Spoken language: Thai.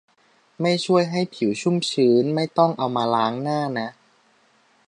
ไม่ช่วยให้ผิวชุ่มชื้น ไม่ต้องเอามาล้างหน้านะ